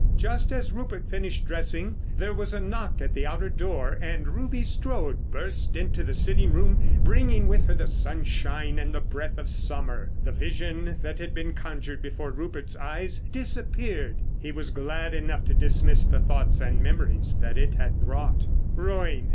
Just as Rupert finished dressing there was a knock at the outer door and Ruby Strode burst into the sitting room bringing with her the sunshine and the breath of summer. The vision that had been conjured before Rupert's eyes disappeared: he was glad enough to dismiss the thoughts and memories that it had brought. Ruin!